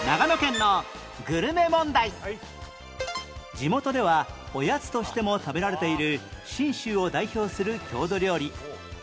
地元ではおやつとしても食べられている信州を代表する郷土料理